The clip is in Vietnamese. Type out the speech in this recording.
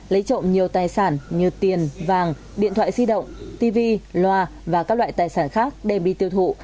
lấy trộm nhiều tài sản như tiền vàng điện thoại di động tv loa và các loại tài sản khác đem đi tiêu thụ